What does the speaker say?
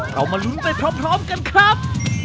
เรามาลุ้นไปพร้อมกันครับ